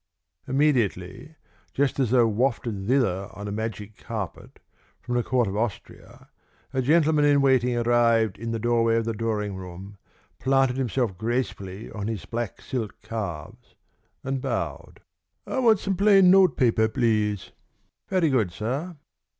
Immediately, just as though wafted thither on a magic carpet, from the court of Austria, a gentleman in waiting arrived in the doorway of the drawing room, planted himself gracefully on his black silk calves, and bowed. "I want some plain note paper, please." "Very good, sir."